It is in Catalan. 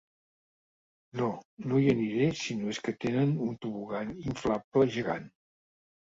No, no hi aniré si no és que tenen un tobogan inflable gegant.